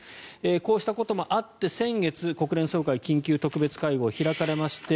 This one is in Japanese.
こうしたこともあって先月の国連で緊急特別会合が開かれました。